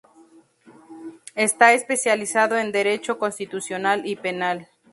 Está especializado en Derecho Constitucional y Penal.